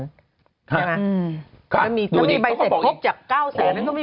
ใช่ไหมถ้ามีใบเสร็จพบจาก๙แสนนั้นก็มีปัญหาดูนี่เขาก็บอกอีก